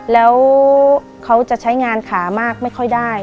แล้วเขาจะใช้งานขามากไม่ค่อยได้